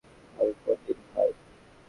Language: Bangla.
আমি পোন্নির ভাই।